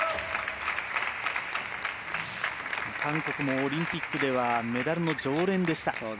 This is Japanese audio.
韓国もオリンピックではメダルの常連でした。